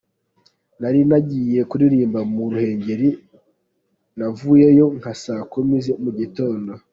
Nari nagiye kuririmba mu Ruhengeri, navuyeyo nka saa kumi za mugitondo.